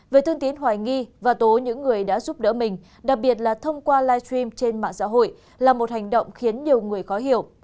về thương tín hoài nghi và tố những người đã giúp đỡ mình đặc biệt là thông qua live stream trên mạng xã hội là một hành động khiến nhiều người khó hiểu